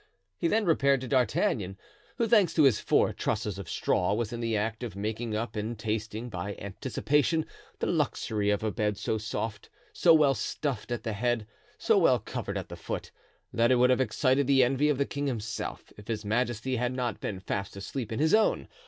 He then repaired to D'Artagnan, who, thanks to his four trusses of straw, was in the act of making up and tasting, by anticipation, the luxury of a bed so soft, so well stuffed at the head, so well covered at the foot, that it would have excited the envy of the king himself, if his majesty had not been fast asleep in his own.